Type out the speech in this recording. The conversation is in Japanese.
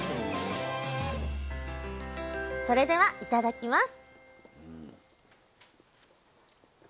それではいただきます！